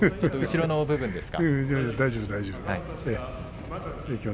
後ろの部分ですか？